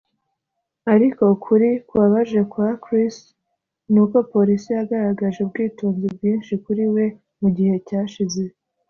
Ariko ukuri kubabaje kwa Chris ni uko polisi yagaragaje ubwitonzi bwinshi kuri we mu gihe cyashize